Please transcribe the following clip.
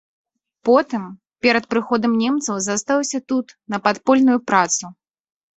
Потым перад прыходам немцаў застаўся тут на падпольную працу.